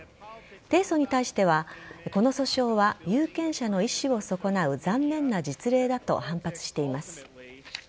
提訴に対してはこの訴訟は有権者の意思を損なう残念な実例だと反発しています。